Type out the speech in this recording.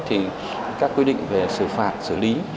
thì các quy định về xử phạt xử lý